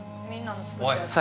おい！